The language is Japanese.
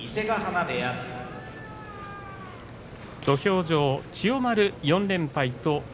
土俵上、千代丸、４連敗。